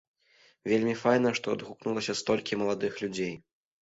Вельмі файна, што адгукнулася столькі маладых людзей.